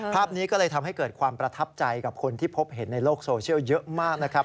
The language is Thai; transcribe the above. ภาพนี้ก็เลยทำให้เกิดความประทับใจกับคนที่พบเห็นในโลกโซเชียลเยอะมากนะครับ